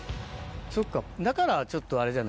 そっかだからちょっとあれじゃない？